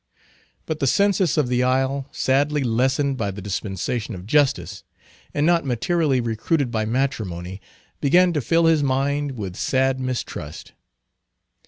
But the census of the isle, sadly lessened by the dispensation of justice, and not materially recruited by matrimony, began to fill his mind with sad mistrust.